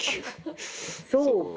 そうか。